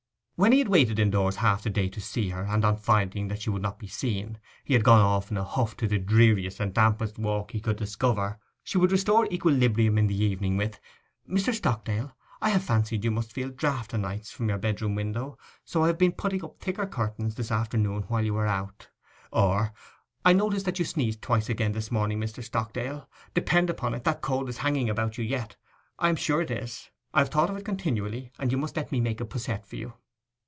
When he had waited indoors half the day to see her, and on finding that she would not be seen, had gone off in a huff to the dreariest and dampest walk he could discover, she would restore equilibrium in the evening with 'Mr. Stockdale, I have fancied you must feel draught o' nights from your bedroom window, and so I have been putting up thicker curtains this afternoon while you were out;' or, 'I noticed that you sneezed twice again this morning, Mr. Stockdale. Depend upon it that cold is hanging about you yet; I am sure it is—I have thought of it continually; and you must let me make a posset for you.